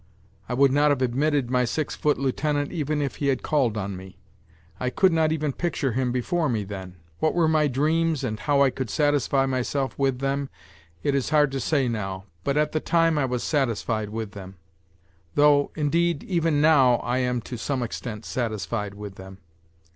I would not have admitted my six foot lieutenant even if he had called on me. I could not even picture him before me then. What were my dreams and how I could satisfy myself with them it is hard to say now, but at the time I was satisfied with them. Though, indeed, even now, I am to some extent satisfied with them.